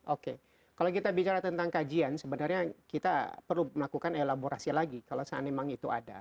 oke kalau kita bicara tentang kajian sebenarnya kita perlu melakukan elaborasi lagi kalau seandainya memang itu ada